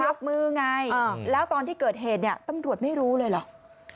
ไม่ยกมือไงแล้วตอนที่เกิดเหตุตำรวจไม่รู้เลยหรอก